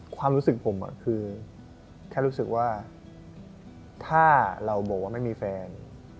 ความรู้สึกผมคือแค่รู้สึกว่าถ้าเราบอกว่าไม่มีแฟน